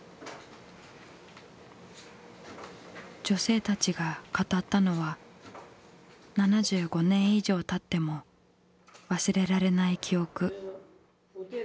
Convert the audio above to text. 女性たちが語ったのは７５年以上たっても忘れられない記憶。